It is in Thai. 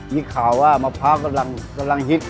มีข่าวว่ามะพร้าวกำลังฮิต